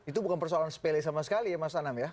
itu bukan persoalan sepele sama sekali ya mas anam ya